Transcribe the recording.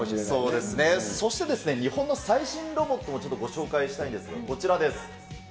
そうですね、そしてですね、日本の最新ロボットも、ちょっとご紹介したいんですが、こちらです。